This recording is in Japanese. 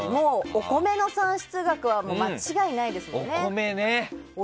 お米の産出額は間違いないですね。